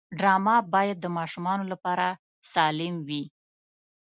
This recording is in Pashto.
ډرامه باید د ماشومانو لپاره سالم وي